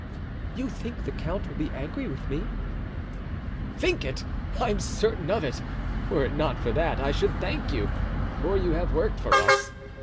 "You think the count will be angry with me?" "Think it? I'm certain of it; were it not for that, I should thank you, for you have worked for us.